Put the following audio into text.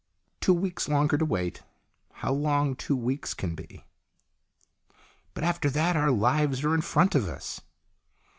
"Two weeks longer to wait. How long two weeks can be !"" But after that our lives are in front of us."